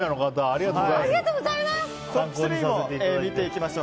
おめでとうございます。